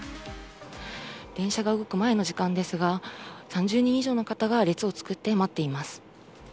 電車が動く前の時間ですが、３０人以上の方が列を作って待っています。